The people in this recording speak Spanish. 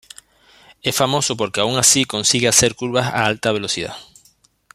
Es famoso porque aun así consigue hacer curvas a alta velocidad.